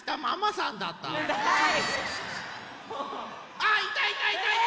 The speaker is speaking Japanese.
あいたいたいたいた！